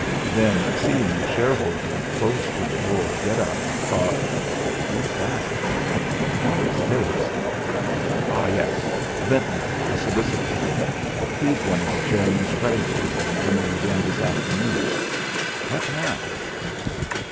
Then, seeing a shareholder close to the door get up, thought: 'Who's that? I know his face Ah! yes; Ventnor, the solicitor he's one of the chairman's creditors that are coming again this afternoon. What now?'